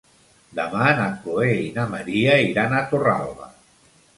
Demà na Chloé i na Maria iran a Torralba.